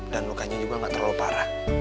dan lukanya juga gak terlalu parah